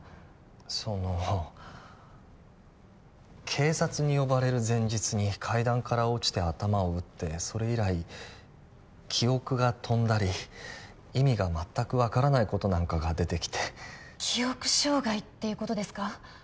その警察に呼ばれる前日に階段から落ちて頭を打ってそれ以来記憶が飛んだり意味が全く分からないことなんかが出てきて記憶障害っていうことですか？